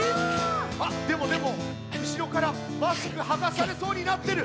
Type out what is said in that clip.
あっでもでもうしろからマスクはがされそうになってる。